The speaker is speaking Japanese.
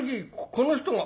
この人が」。